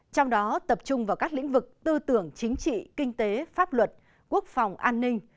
trong đó tập trung vào các lĩnh vực tư tưởng chính trị kinh tế pháp luật quốc phòng an ninh